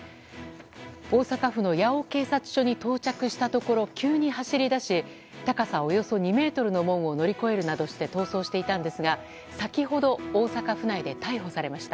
大阪府の八尾警察署に到着したところ、急に走り出し高さおよそ２ｍの門を乗り越えるなどして逃走していたんですが先ほど大阪府内で逮捕されました。